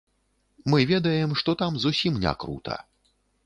Мы ведаем, што там зусім не крута.